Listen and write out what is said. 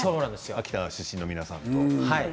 秋田出身の皆さんと。